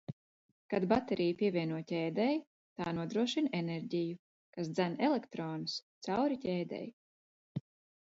Kad bateriju pievieno ķēdei, tā nodrošina enerģiju, kas dzen elektronus cauri ķēdei.